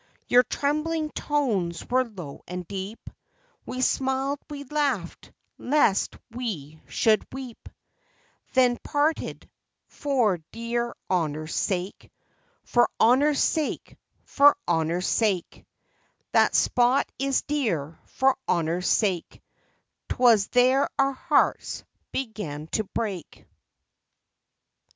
Your trembling tones were low and deep ; We smiled, we laughed — lest we should weep ; Then — parted, for dear Honor's sake : For Honor's sake — for Honor's sake : That spot is dear for Honor's sake : 'T was there our hearts began to break.